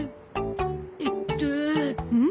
えっとん？